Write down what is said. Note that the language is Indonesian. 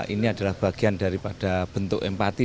ini adalah bagian daripada bentuk empati